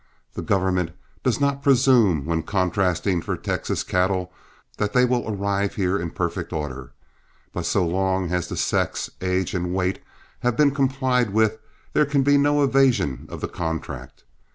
The government does not presume, when contracting for Texas cattle, that they will arrive here in perfect order; but so long as the sex, age, and weight have been complied with, there can be no evasion of the contract.